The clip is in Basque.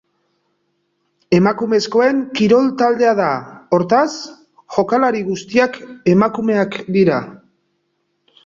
Emakumezkoen kirol taldea da, hortaz, jokalari guztiak emakumeak dira.